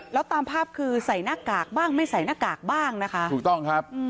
แล้วตามภาพคือใส่หน้ากากบ้างไม่ใส่หน้ากากบ้างนะคะถูกต้องครับ